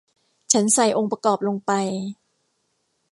ฉันใส่องค์ประกอบลงไป